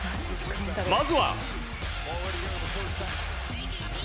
まずは。